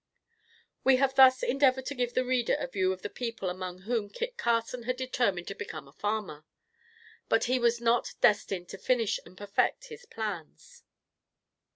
] We have thus endeavored to give the reader a view of the people among whom Kit Carson had determined to become a farmer. But he was not destined to finish and perfect his plans.